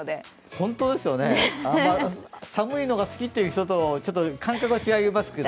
本当ですよね、寒いのが好きという人と、環境が違いますけどね。